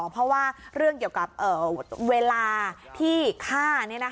เพราะว่าเรื่องเกี่ยวกับเวลาที่ฆ่า